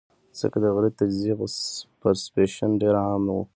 ځکه د غلطې تجزئې پرسپشن ډېر عام وي -